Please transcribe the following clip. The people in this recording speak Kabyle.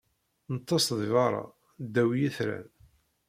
Neḍḍes deg beṛṛa, ddaw yitran.